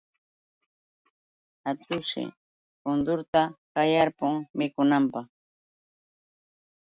Atuqshi kuturta qayamun mikunanpaq.